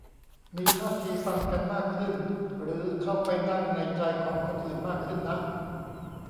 มีท่าทีฟังกันมากขึ้น หรือเข้าไปนั่งในใจของคนอื่นมากขึ้นนะ